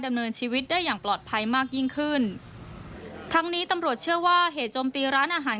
ดำเนินชีวิตได้อย่างปลอดภัยมากยิ่งขึ้นทั้งนี้ตำรวจเชื่อว่าเหตุจมตีร้านอาหาร